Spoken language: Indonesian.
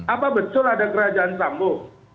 apa betul ada kerajaan sambu